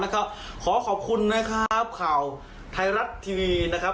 แล้วก็ขอขอบคุณนะครับข่าวไทยรัฐทีวีนะครับ